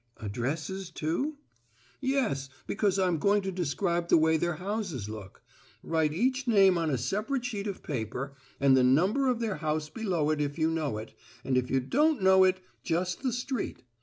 "Addresses, too?" "Yes, because I'm going to describe the way their houses look. Write each name on a separate sheet of paper, and the number of their house below it if you know it, and if you don't know it, just the street.